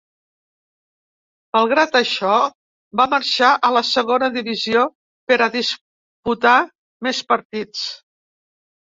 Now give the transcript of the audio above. Malgrat això, va marxar a la Segona divisió per a disputar més partits.